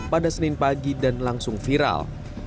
pada senin pagi dan langsung viral